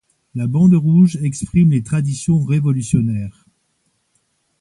La bande rouge exprime les traditions révolutionnaires.